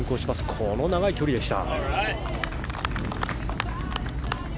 この長い距離でした。